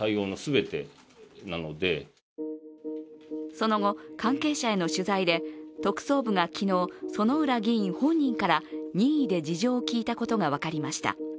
その後、関係者への取材で特捜部が昨日、薗浦議員本人から任意で事情を聴いたことが分かりました。